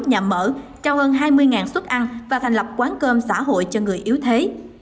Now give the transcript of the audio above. nhà mở trao hơn hai mươi suất ăn và thành lập quán cơm xã hội cho người yếu thế